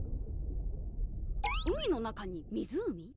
海の中に湖？